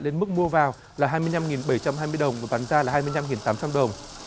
lên mức mua vào là hai mươi năm bảy trăm hai mươi đồng và bán ra là hai mươi năm tám trăm linh đồng